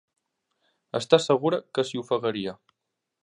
Està segura que s'hi ofegaria.